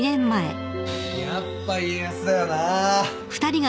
やっぱ家康だよな